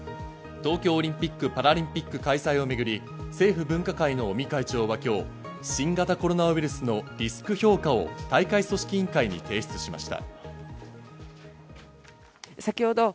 東京オリンピック・パラリンピック開催をめぐり政府分科会の尾身会長は今日、新型コロナウイルスのリスク評価を大会組織委員会に提出しました。